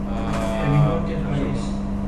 Terminó aquel país.